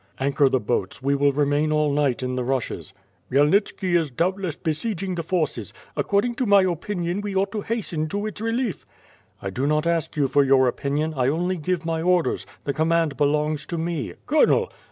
'' "Anchor the boats; we will remain all night in the rushes." "Khmyelnitski is doubtless besieging the fortress; accord ing to my opinion we ought to hasten to its relief." "I do not ask you for your opinion, I only give my orders. The command belongs to me." "Colonel!